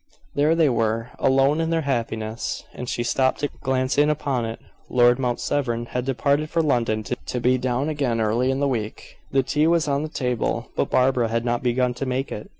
There they were, alone in their happiness, and she stopped to glance in upon it. Lord Mount Severn had departed for London, to be down again early in the week. The tea was on the table, but Barbara had not begun to make it.